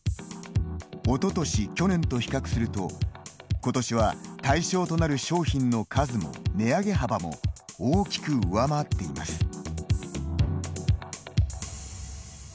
おととし、去年と比較するとことしは、対象となる商品の数も値上げ幅も大きく上回っています。